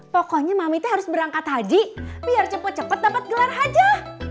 pokoknya mami tuh harus berangkat haji biar cepet cepet dapat gelar hajah